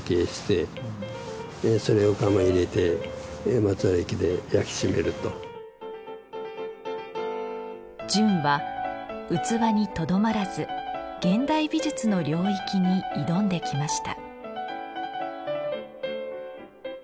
極端に言えば淳は器にとどまらず現代美術の領域に挑んできました